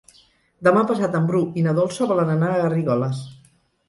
Demà passat en Bru i na Dolça volen anar a Garrigoles.